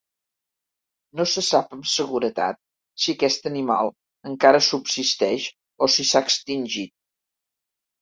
No se sap amb seguretat si aquest animal encara subsisteix o si s'ha extingit.